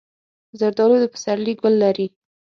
زردالو د پسرلي ګل لري.